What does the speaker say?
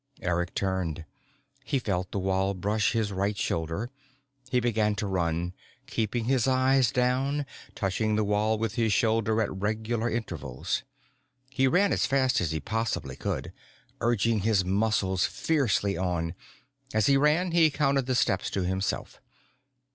_ Eric turned. He felt the wall brush his right shoulder. He began to run, keeping his eyes down, touching the wall with his shoulder at regular intervals. He ran as fast as he possibly could, urging his muscles fiercely on. As he ran, he counted the steps to himself.